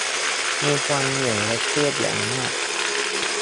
มีความเหนื่อยและเครียดอย่างมาก